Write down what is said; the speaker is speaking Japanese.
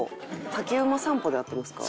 『竹馬散歩』で合ってますか？